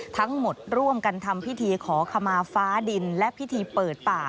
ร่วมกันทำพิธีขอขมาฟ้าดินและพิธีเปิดป่า